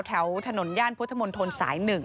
แถวถนนย่านพมธนท๑